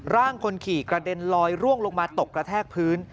ร่างคนขี่กระเด็นลอยร่วงลงมาตกกระแทกพื้น